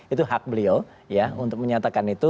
itu hak beliau ya untuk menyatakan itu